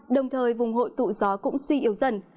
đồng thời vùng hội tụ gió cũng suy yếu dần